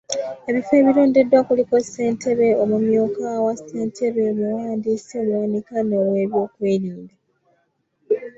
Ebifo ebirondeddwa kuliko; ssentebe, omumyuka wa ssentebe, omuwandiisi, omuwanika n’oweebyokwerinda.